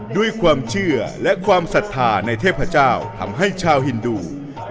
ด้วยความเชื่อและความศรัทธาในเทพเจ้าทำให้ชาวฮินดู